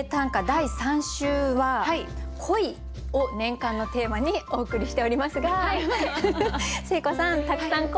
第３週は「恋」を年間のテーマにお送りしておりますが誠子さんたくさん恋してますか？